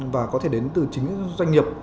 và có thể đến từ chính doanh nghiệp